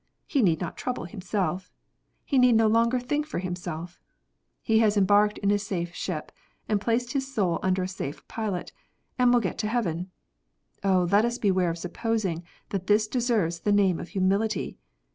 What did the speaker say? He need not trouble himself ! He need no longer think for himself ! He has embarked in a safe ship, and placed his soul under a safe pilot, and will get to heaven ! Oh, let us beware of supposing that this deserves the name of humility